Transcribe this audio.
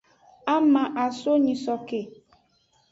Ama aso nyisoke.